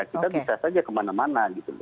kita bisa saja kemana mana gitu